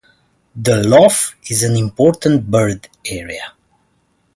The Lough is an Important Bird Area.